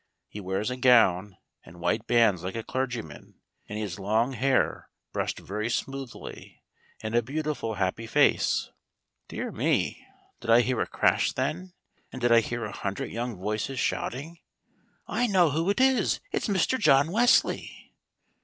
He wears a gown and white bands like a clergyman, and he has long hair brushed very smoothly, and a beautiful, happy face. Dear me! did I hear a crash then? And did I hear a hundred young voices shouting: "I know who it is, it's Mr. John Wesley"?